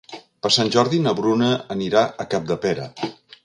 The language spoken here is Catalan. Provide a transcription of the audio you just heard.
Per Sant Jordi na Bruna anirà a Capdepera.